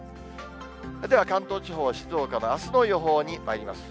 では、関東地方、静岡のあすの予報にまいります。